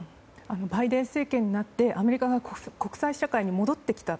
バイデン政権になってアメリカが国際社会に戻ってきた。